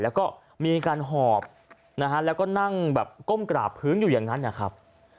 แล้วก็มีการหอบนะฮะแล้วก็นั่งแบบก้มกราบพื้นอยู่อย่างนั้นนะครับ